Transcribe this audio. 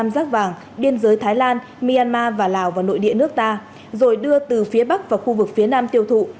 giác vàng biên giới thái lan myanmar và lào vào nội địa nước ta rồi đưa từ phía bắc và khu vực phía nam tiêu thụ